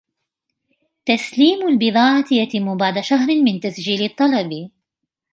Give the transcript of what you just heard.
تسليم البضاعة يتم بعد شهر من تسجيل الطلب.